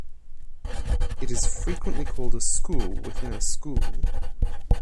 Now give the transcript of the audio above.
It is frequently called a school within a school.